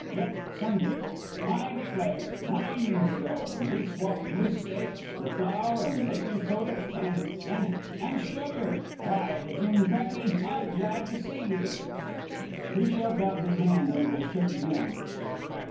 Yep, Sunday. I declare! Nine years ago! And we swapped moose steaks fer flour an' bakin' soda, an' an' an' sugar! By the Jimcracky! I'm glad to see you!" He shoved out his hand and they shook again.